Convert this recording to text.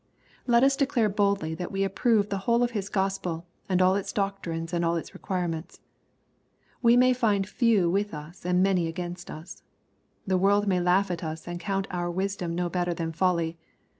Let us declare boldly that we approve the whole of His GK)spel, all its doctrines and all its requirements. We may find few with us and many against us. The world may laugh at us, and count our wisdom no better than folly.